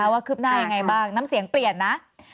คืบหน้ายังไงบ้างน้ำเสียงเปลี่ยนนะ